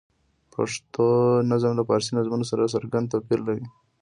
پښتو نظم له فارسي نظمونو سره څرګند توپیر لري.